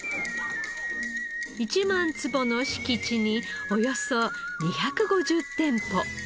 １万坪の敷地におよそ２５０店舗。